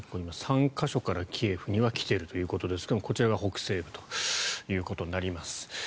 ３か所からキエフには来ているということですがこちらが北西部ということになります。